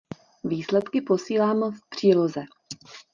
Výsledky posílám v příloze.